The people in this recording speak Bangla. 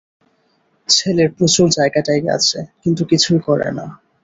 ছেলের প্রচুর জায়গাটায়গা আছে, কিন্তু কিছুই করে না।